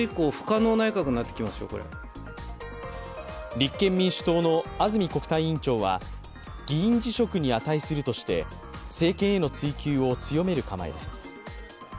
立憲民主党の安住国対委員長は議員辞職に値するとして政権への追及を強める構えです。